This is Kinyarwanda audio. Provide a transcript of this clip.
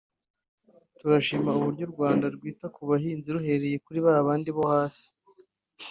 turashima uburyo mu Rwanda mwita ku bahinzi muhereye kuri ba bandi bo hasi